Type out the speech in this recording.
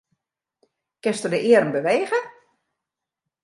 Kinsto de earm bewege?